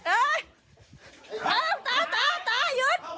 หึพี่บ้านอยากแต่งนะ